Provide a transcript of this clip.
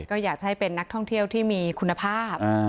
ก็อยากจะให้เป็นนักท่องเที่ยวที่มีคุณภาพ